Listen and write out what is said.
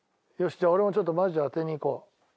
じゃあ俺もちょっとマジで当てにいこう。